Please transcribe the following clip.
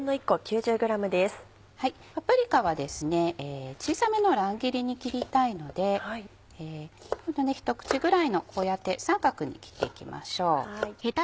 パプリカは小さめの乱切りに切りたいので一口ぐらいのこうやって三角に切っていきましょう。